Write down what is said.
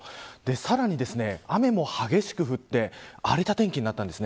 さらに雨も激しく降って荒れた天気になったんです。